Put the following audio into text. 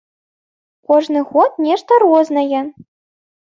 Кожны год нешта рознае.